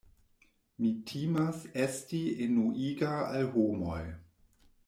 Mi timas esti enuiga al homoj.